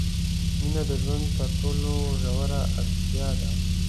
مینه د ژوند تر ټولو ژوره اړتیا ده.